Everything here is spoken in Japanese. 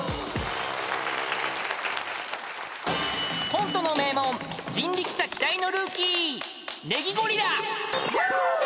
［コントの名門人力舎期待のルーキー］